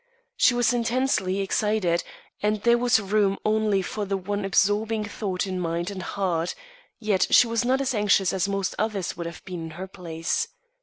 She was intensely excited, and there was room only for the one absorbing thought in mind and heart; yet she was not as anxious as most others would have been in her place.